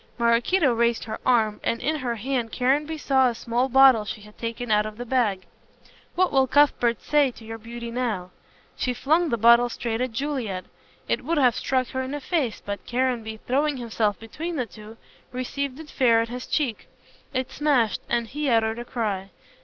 Maraquito raised her arm, and in her hand Caranby saw a small bottle she had taken out of the bag. "What will Cuthbert say to your beauty now?" She flung the bottle straight at Juliet. It would have struck her in the face, but Caranby, throwing himself between the two, received it fair on his cheek. It smashed, and he uttered a cry.